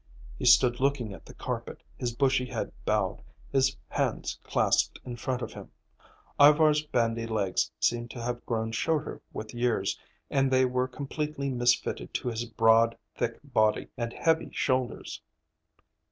He stood looking at the carpet, his bushy head bowed, his hands clasped in front of him. Ivar's bandy legs seemed to have grown shorter with years, and they were completely misfitted to his broad, thick body and heavy shoulders.